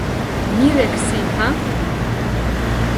მირექ სი ჰა ?